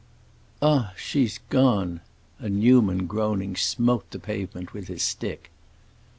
"Ah, she's gone!" And Newman, groaning, smote the pavement with his stick.